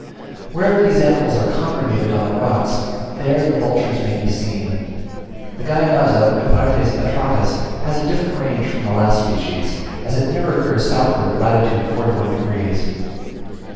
Wherever these animals are congregated on the rocks, there the vultures may be seen. The Gallinazo (Cathartes atratus) has a different range from the last species, as it never occurs southward of lat. 41 degs.